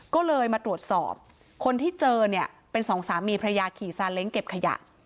ก็เลยมาตรวจสอบคนที่เจอเนี่ยเป็นสองสามีพระยาขี่ซาเล้งเก็บขยะ